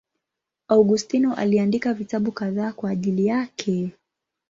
Augustino aliandika vitabu kadhaa kwa ajili yake.